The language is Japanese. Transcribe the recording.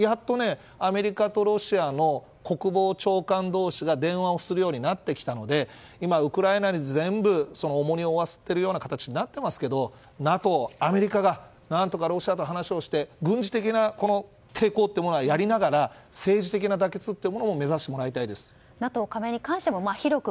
やっとアメリカとロシアの国防長官同士が電話をするようになってきたので今、ウクライナに全部その重荷を負わせているような形になってますけどＮＡＴＯ、アメリカが何とかロシアと話をして軍事的な抵抗というのをやりながら政治的な妥結というものを目指してもらいたいです。